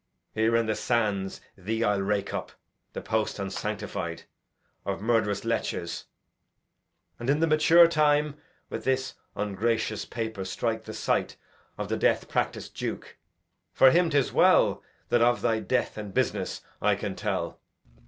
Here in the sands Thee I'll rake up, the post unsanctified Of murtherous lechers; and in the mature time With this ungracious paper strike the sight Of the death practis'd Duke, For him 'tis well That of thy death and business I can tell.